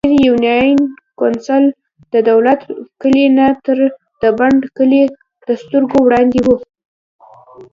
ډېرۍ يونېن کونسل ددولت کلي نه تر د بڼ کلي دسترګو وړاندې وو ـ